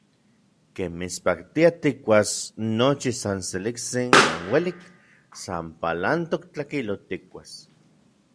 Ken mitspaktia tikkuas nochi san seliktsin uan uelik, san palantok tlakilotl tikkuas.